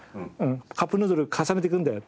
カップヌードル重ねていくんだよ